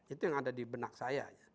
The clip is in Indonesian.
itu yang ada di benak saya